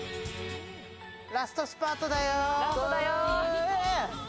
ラストスパートだよ。